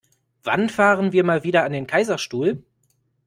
Wann fahren wir mal wieder an den Kaiserstuhl?